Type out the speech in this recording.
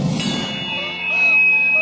elan sudah selesai